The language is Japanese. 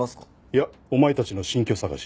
いやお前たちの新居探し。